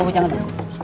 bu jangan bu